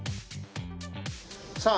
さあ